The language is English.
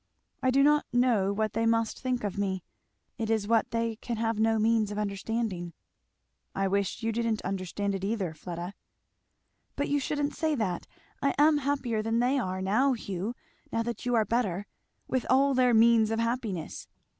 I do not know what they must think of me; it is what they can have no means of understanding." "I wish you didn't understand it either, Fleda." "But you shouldn't say that. I am happier than they are, now, Hugh, now that you are better, with all their means of happiness.